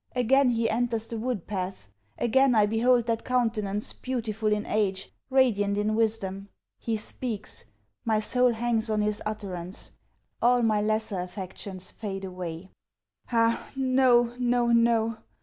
Again, he enters the wood path. Again, I behold that countenance beautiful in age, radiant in wisdom. He speaks. My soul hangs on his utterance. All my lesser affections fade away. Ah, no! no! no!